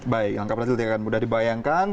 baik langkah brazil tidak akan mudah dibayangkan